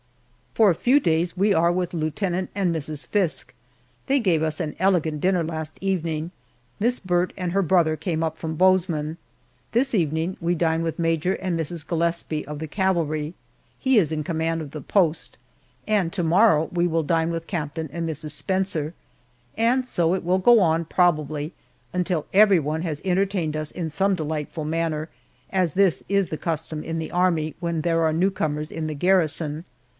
For a few days we are with Lieutenant and Mrs. Fiske. They gave us an elegant dinner last evening. Miss Burt and her brother came up from Bozeman. This evening we dine with Major and Mrs. Gillespie of the cavalry. He is in command of the post and tomorrow we will dine with Captain and Mrs. Spencer. And so it will go on, probably, until everyone has entertained us in some delightful manner, as this is the custom in the Army when there are newcomers in the garrison.